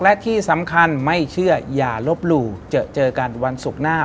และที่สำคัญไม่เชื่ออย่าลบหลู่เจอเจอกันวันศุกร์หน้า